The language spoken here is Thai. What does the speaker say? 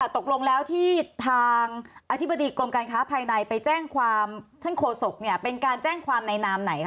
ตกลงแล้วที่ทางอธิบดีกรมการค้าภายในไปแจ้งความท่านโฆษกเป็นการแจ้งความในนามไหนคะ